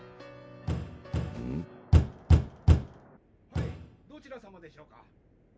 ・はいどちら様でしょうか？